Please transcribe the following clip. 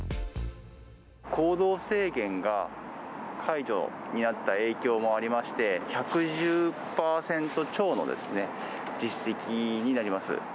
行動制限が解除になった影響もありまして、１１０％超の実績になります。